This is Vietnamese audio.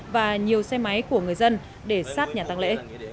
và nhiều xe máy của người dân để sát nhà tăng lễ